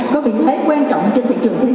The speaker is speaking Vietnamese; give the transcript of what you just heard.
có vị thế quan trọng trên thị trường thế giới